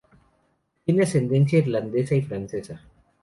Tiene ascendencia irlandesa y francesa.